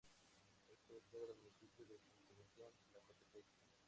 Es cabecera del municipio de San Sebastián Tlacotepec.